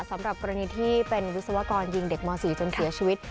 สำหรับกรณีที่เป็นวิศวกรยิงเด็กม๔จนเสียชีวิต